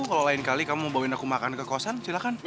kalau lain kali kamu bawain aku makan ke kosan silahkan